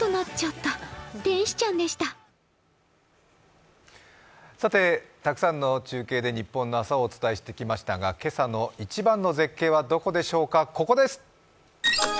たくさんの中継でニッポンの朝をお伝えしてきましたが、今朝の一番の絶景はここです。